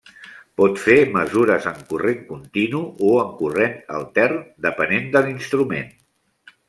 Pot fer mesures en corrent continu o en corrent altern, depenent de l'instrument.